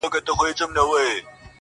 په ساز جوړ وم، له خدايه څخه ليري نه وم.